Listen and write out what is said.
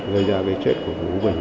gây ra cái chết của bố mình